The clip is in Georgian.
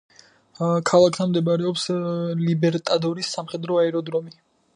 ქალაქთან მდებარეობს ლიბერტადორის სამხედრო აეროდრომი.